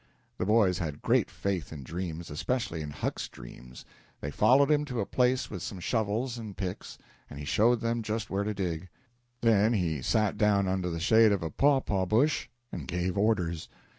The boys had great faith in dreams, especially in Huck's dreams. They followed him to a place with some shovels and picks, and he showed them just where to dig. Then he sat down under the shade of a pawpaw bush and gave orders.